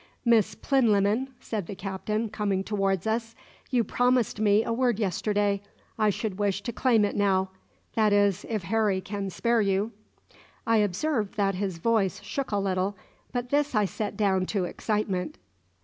"Miss Plinlimmon," said the Captain, coming towards us, "you promised me a word yesterday. I should wish to claim it now that is, if Harry can spare you." I observed that his voice shook a little, but this I set down to excitement.